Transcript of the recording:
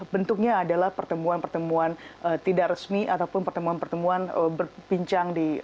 bentuknya adalah pertemuan pertemuan tidak resmi ataupun pertemuan pertemuan berbincang di